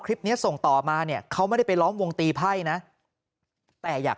ส่งต่อมาเนี่ยเขาไม่ได้ไปล้อมวงตีไพ่นะแต่อยาก